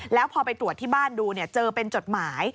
แล้วพอไปตรวจที่บ้านดูเจอเป็นจดหมาย